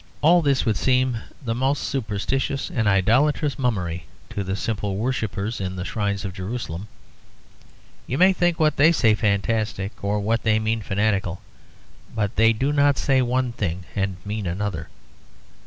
All this would seem the most superstitious and idolatrous mummery to the simple worshippers in the shrines of Jerusalem. You may think what they say fantastic, or what they mean fanatical, but they do not say one thing and mean another.